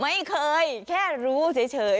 ไม่เคยแค่รู้เฉย